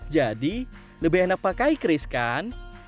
jadi lebih enak pakai cris kan